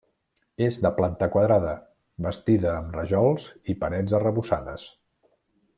És de planta quadrada, bastida amb rajols i parets arrebossades.